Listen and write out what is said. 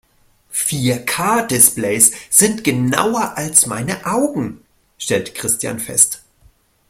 "Vier-K-Displays sind genauer als meine Augen", stellt Christian fest.